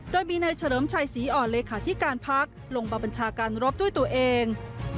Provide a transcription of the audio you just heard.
โดยมีนายเฉลิมชัยศรีอ่อนเลขาธิการพักลงมาบัญชาการรบด้วยตัวเอง